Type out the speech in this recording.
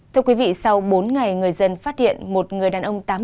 thưa quý vị sau bốn ngày người dân phát hiện một người đàn ông tám mươi